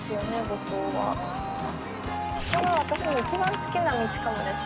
ここが私の一番好きな道かもです